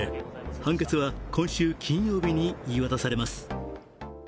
判決は今週金曜日に言い渡されます。